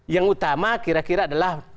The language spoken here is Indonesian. yang utama kira kira adalah